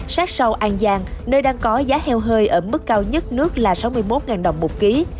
sát sâu an giang nơi đang có giá heo hơi ở mức cao nhất nước là sáu mươi một đồng một ký